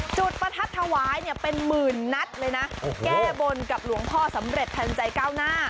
ประทัดถวายเนี่ยเป็นหมื่นนัดเลยนะแก้บนกับหลวงพ่อสำเร็จทันใจก้าวหน้า